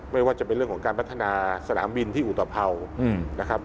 ไม่ว่าจะเป็นเรื่องของการพัฒนาสนามบินที่อุตภัวร์นะครับ